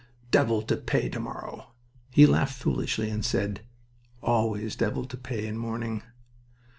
Devil to pay to morrow." He laughed foolishly and said: "Always devil to pay in morning."